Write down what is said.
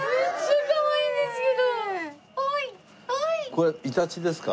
これはイタチですか？